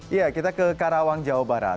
iya kita ke karawang jawa barat